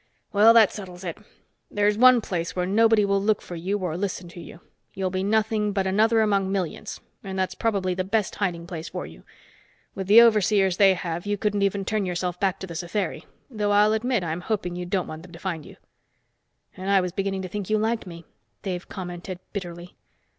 Well, that settles it. There's one place where nobody will look for you or listen to you. You'll be nothing but another among millions, and that's probably the best hiding place for you. With the overseers they have, you couldn't even turn yourself back to the Satheri, though I'll admit I'm hoping you don't want them to find you." "And I was beginning to think you liked me," Dave commented bitterly.